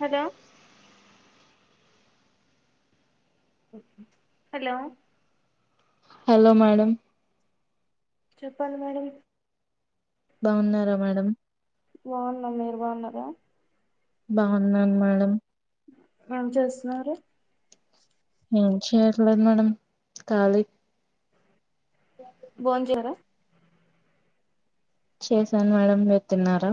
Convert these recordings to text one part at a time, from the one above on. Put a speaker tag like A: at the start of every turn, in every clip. A: Hello hello
B: hello madam
A: చెప్పాలి madam
B: బాగున్నారా madam
A: బాగున్నాం మీరు బాగున్నారా
B: బాగున్నాను మేడం
A: ఏం చేస్తున్నారు
B: ఏం చేయట్లేదు మేడం కాలి
A: బొం చేయరా
B: చేసాను మేడం మీరు తిన్నారా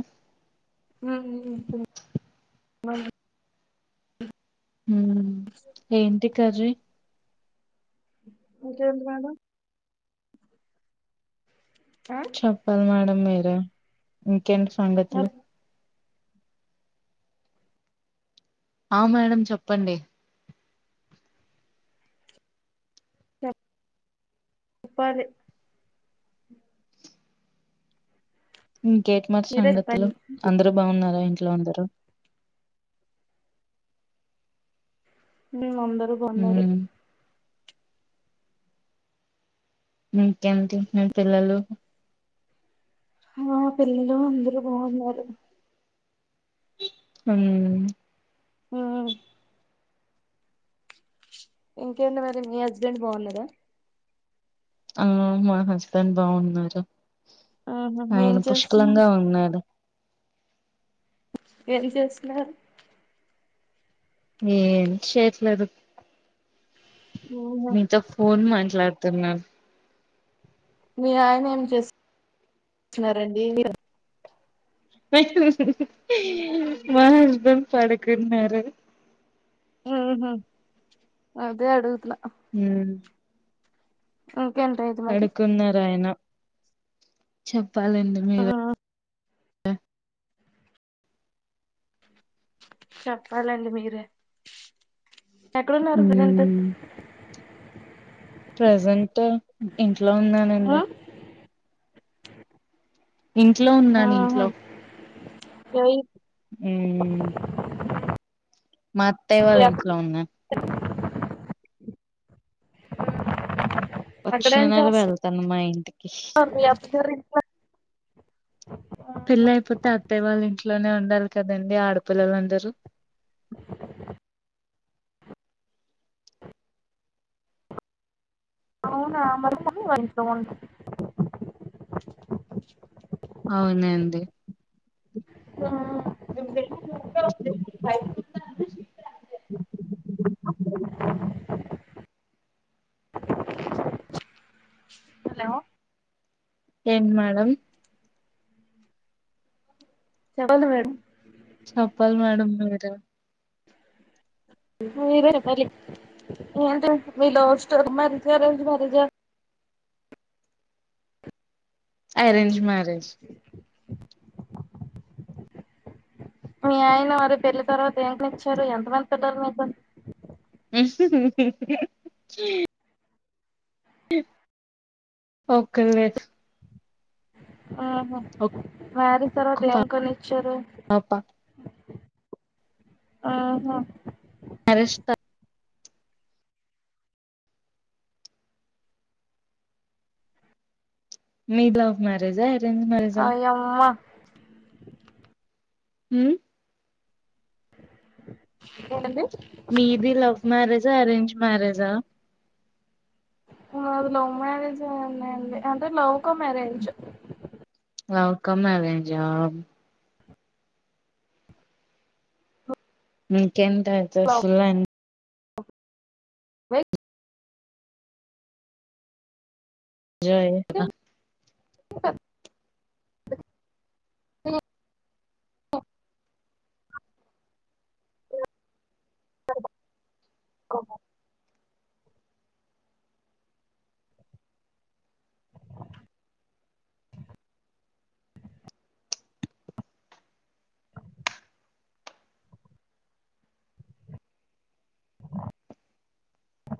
A: [inaudible]
B: ఊ మ్ ఏంటి కర్రి
A: ఇంకేంటి మేడం ఆ
B: చెప్పాలి మేడం మీరే ఇంకెంటి సంగతులు ఆ మేడం చెప్పండి
A: చె చెప్పాలి
B: ఇంకేంటి మరి
A: మీరే
B: సంగతులు
A: చెప్పండి
B: అందరు బాగున్నారా ఇంట్లో అందరు
A: మ్ అందరు బాగున్నారు
B: మ్మ్. ఇంకేంటి మీ పిల్లలు
A: ఆ పిల్లలు అందరు బాగున్నారు
B: ఊ మ్
A: ఆ ఇంకేంది మరి మీ హస్బెండ్ బాగున్నడా
B: ఆ మా హస్బెండ్ బాగున్నారు
A: ఆహా ఏం
B: ఆయన
A: చేస్తున్నారు
B: పుష్కలంగా ఉన్నాడు
A: ఏం చేస్తున్నారు
B: ఎమ్ చేయట్లేదు
A: మ్మ్
B: మీతో ఫోన్ మ లాతున్నాను
A: మీ ఆయన ఏం చేస్తస్తున్నారండి
B: మా హస్బెండ్ పడకున్నారు
A: మ్ హు అదే అడుగుదతున్నా
B: ఉమ్
A: ఓ
B: పడుకున్నారు ఆయన చెప్పాలండి మీరే
A: మ్మ్ చెప్పాలండి మీరే ఎక్కడున్నారు ప్రజెంట్
B: ఉమ్ ప్రజెంట్ ఇంట్లో
A: ఆ
B: ఉన్నానండి ఇంట్లో ఉన్నాను ఇంట్లో
A: ఏయి
B: మాత్తయ
A: మీ
B: వాళ్ళ
A: అక్క
B: ఇంట్లో ఉన్నను
A: అక్కడేం
B: వచ్చిన
A: చేస్తున్నారు
B: వెళ్తాను మా ఇంటికి
A: మీ అత్తగారి ఇంట్లో
B: పెళ్ల అయిపోతే అత్తయ్య వాళ్ళు ఇంట్లోనే ఉండాలి కదండి ఆడపిల్లలు అందరూ
A: అవునా మరి మమ్మీ వాళ్ళ ఇంట్లో ఉండు
B: అవునండి [unintelligible]
A: హలో
B: ఇంటి మేడమ్
A: చెప్పాల మేడం
B: చెప్పాలి మేడం మీరే
A: మీరే చెప్పాలి ఏంటి మీ లవ్ స్టోరీ లవ్ మ్యారేజా అరేంజ్ మ్యారేజా
B: అరేంజ్ మ్యారేజ్
A: మీ ఆయన మరి పెళ్లి తర్వాత ఏంకో నిచ్చారు ఎంత మంది పిల్లలు మీతోని
B: ఓకే అండి
A: మ్ హు మ్యారేజ్ తర్వాత
B: ఒక్క
A: ఏం కొనిచ్చారు
B: పాప
A: ఆహా
B: అరుస్తా మీది లవ్ మ్యారేజ్
A: అయమ్మా
B: మ్
A: ఏంది
B: మీది లవ్ మ్యారేజా అరేంజ్ మ్యారేజా
A: అ లవ్ మ్యారేజే అండి అంటే love come arrange
B: love come అరేంజా మికేంటి అండి
A: లవ్
B: ఫుల్ ఎంజాయ్
A: వే
B: [unintelligible]
A: అఓ కోబ అ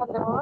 A: హలో